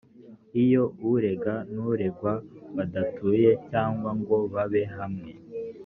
iyo urega n’uregwa badatuye cyangwa ngo babe hamwe